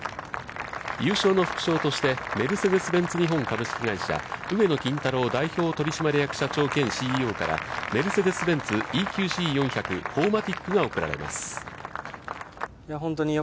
優勝の副賞としてメルセデス・ベンツ日本株式会社上野金太郎代表取締役社長兼ＣＥＯからメルセデス・ベンツＥＱＣ４００４